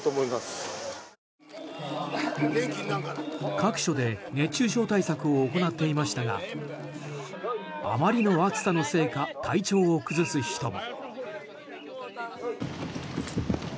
各所で熱中症対策を行っていましたがあまりの暑さのせいか体調を崩す人も。